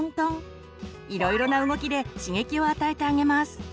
いろいろな動きで刺激を与えてあげます。